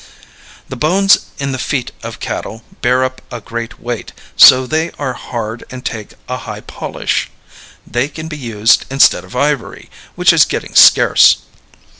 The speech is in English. The bones in the feet of cattle bear up a great weight, so they are hard and take a high polish. They can be used instead of ivory, which is getting scarce.